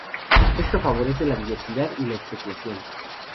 Esto favorece la diversidad y la especiación.